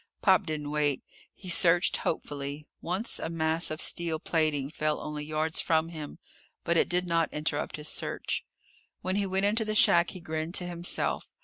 Pop didn't wait. He searched hopefully. Once a mass of steel plating fell only yards from him, but it did not interrupt his search. When he went into the shack, he grinned to himself.